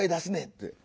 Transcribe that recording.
って。